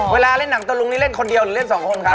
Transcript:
เล่นหนังตะลุงนี่เล่นคนเดียวหรือเล่นสองคนครับ